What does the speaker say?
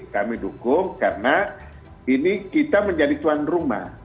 kami dukung karena ini kita menjadi tuan rumah